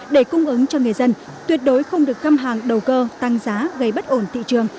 để cung ứng cho người dân tuyệt đối không được khăm hàng đầu cơ tăng giá gây bất ổn thị trường